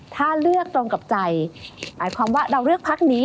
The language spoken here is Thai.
ถ้าเลือกตรงกับใจหมายความว่าเราเลือกพักนี้